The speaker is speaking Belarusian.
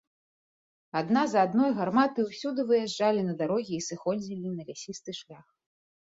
Адна за адной гарматы ўсюды выязджалі на дарогі і сыходзілі на лясісты шлях.